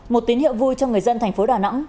một tín hiệu vui cho người dân thành phố đà nẵng